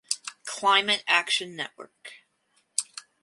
Climate Action Network.